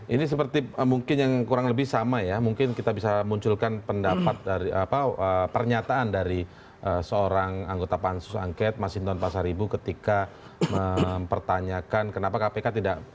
ini seperti mungkin yang kurang lebih sama ya mungkin kita bisa munculkan pendapat dari pernyataan dari seorang anggota pansus angket mas hinton pasar ibu ketika mempertanyakan kenapa kpk tidak